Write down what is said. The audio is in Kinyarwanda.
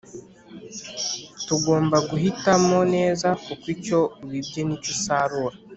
Tugomba guhitamo neza kuko icyo ubibye nicyo usarura